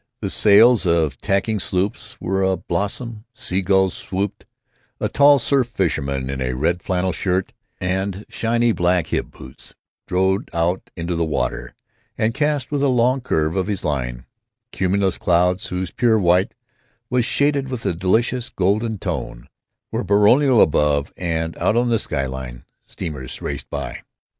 The sails of tacking sloops were a blossom; sea gulls swooped; a tall surf fisherman in red flannel shirt and shiny black hip boots strode out into the water and cast with a long curve of his line; cumulus clouds, whose pure white was shaded with a delicious golden tone, were baronial above; and out on the sky line the steamers raced by.